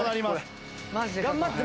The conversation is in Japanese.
頑張って！